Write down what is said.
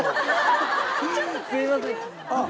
すいません。